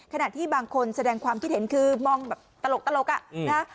ขณะที่บางคนแสดงความคิดเห็นคือมองแบบตลกอ่ะนะฮะ